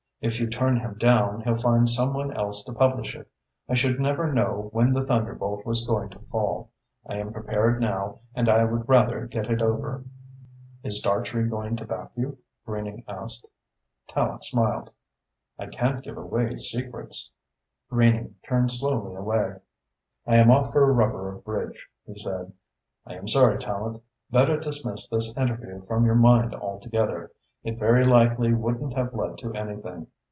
If you turn him down, he'll find some one else to publish it. I should never know when the thunderbolt was going to fail. I am prepared now and I would rather get it over." "Is Dartrey going to back you?" Greening asked. Tallente smiled. "I can't give away secrets." Greening turned slowly away. "I am off for a rubber of bridge," he said. "I am sorry, Tallente. Better dismiss this interview from your mind altogether. It very likely wouldn't have led to anything.